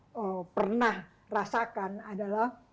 apa yang saya pernah rasakan adalah